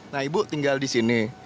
nah ibu tinggal disini